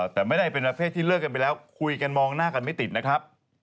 แต่ไม่ได้เป็นประเภทที่เลิกกันไปแล้วคุยกันมองหน้ากันไม่ติดนะครับ